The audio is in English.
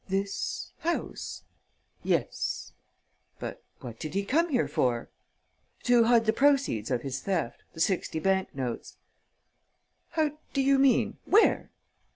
"This house?" "Yes." "But what did he come here for?" "To hide the proceeds of his theft, the sixty bank notes." "How do you mean? Where?"